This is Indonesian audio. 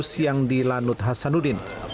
itu siang di lanut hasanudin